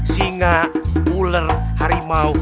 singa ular harimau